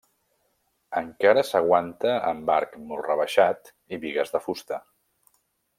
Encara s'aguanta amb arc molt rebaixat i bigues de fusta.